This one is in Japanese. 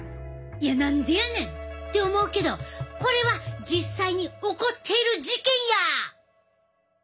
「いや何でやねん！」って思うけどこれは実際に起こっている事件や！